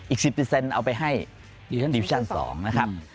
อีก๑๐เอาไปให้ดิฉันดิวิชั่น๒นะครับ